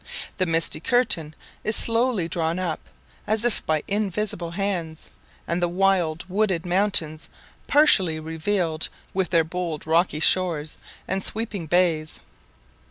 The misty curtain is slowly drawn up, as if by invisible hands, and the wild, wooded mountains partially revealed, with their bold rocky shores and sweeping bays.